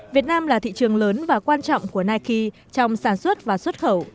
việt nam là thị trường lớn và quan trọng của nike trong sản xuất và xuất khẩu